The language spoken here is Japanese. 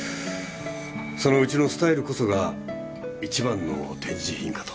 そのうちのスタイルこそが一番の展示品かと。